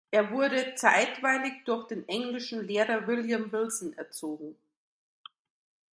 Er wurde zeitweilig durch den englischen Lehrer William Wilson erzogen.